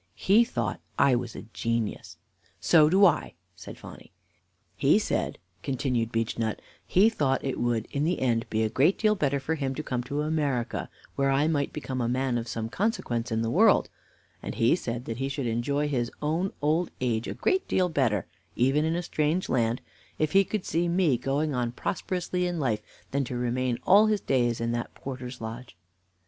He thought I was a genius." "So do I," said Phonny. "He said," continued Beechnut, "he thought it would in the end be a great deal better for him to come to America, where I might become a man of some consequence in the world, and he said that he should enjoy his own old age a great deal better, even in a strange land, if he could see me going on prosperously in life, than to remain all his days in that porter's lodge.